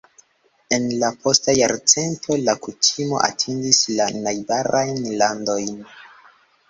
En la posta jarcento, la kutimo atingis la najbarajn landojn.